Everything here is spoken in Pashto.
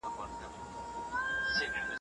په ژوند کي دېغېدل سته .